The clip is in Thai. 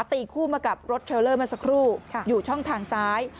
ตีคู่มากับรถเทลเลอร์มาสักครู่อยู่ช่องทางซ้าย